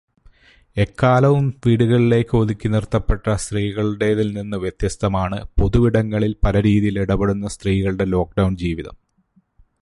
എക്കാലവും വീടുകളിലേക്ക് ഒതുക്കി നിർത്തപ്പെട്ട സ്ത്രീകളുടെതിൽ നിന്ന് വ്യത്യസ്തമാണ് പൊതുവിടങ്ങളിൽ പലരീതിയിൽ ഇടപെടുന്ന സ്ത്രീകളുടെ ലോക്ക്ഡൗൺ ജീവിതം.